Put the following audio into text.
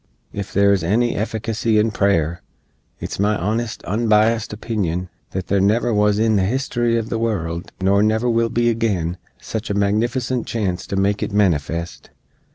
Ef there is any efficacy in prayer, it's my honest, unbiased opinion that there never wuz in the history uv the world, nor never will be agin, sich a magnificent chance to make it manifest.